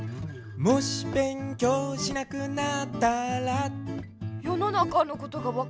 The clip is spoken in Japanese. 「もしべんきょうしなくなったら？」よの中のことが分からなくなる。